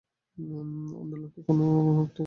অন্ধলোককেও কোন একটি আকারের মাধ্যমে চিন্তা করিতে হয়।